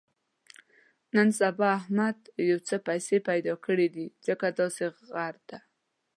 نن سبا احمد یو څه پیسې پیدا کړې دي، ځکه داسې غره دی.